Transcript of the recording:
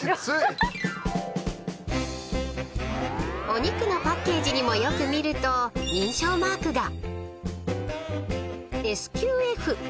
［お肉のパッケージにもよく見ると認証マークが］